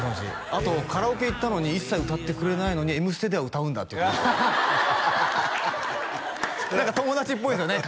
あとカラオケ行ったのに一切歌ってくれないのに「Ｍステ」では歌うんだって何か友達っぽいですよね